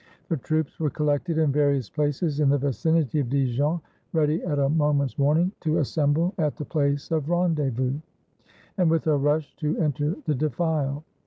The troops were collected in various places in the vicinity of Dijon, ready at a moment's warning to assemble at the place of rendezvous, and with a rush to enter the defile.